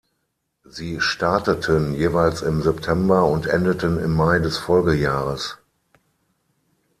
Sie starteten jeweils im September und endeten im Mai des Folgejahres.